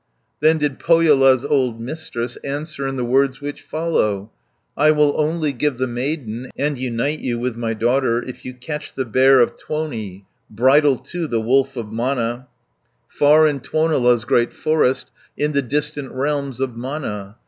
100 Then did Pohjola's old Mistress, Answer in the words which follow: "I will only give the maiden, And unite you with my daughter, If you catch the Bear of Tuoni, Bridle, too, the Wolf of Mana, Far in Tuonela's great forest, In the distant realms of Mana.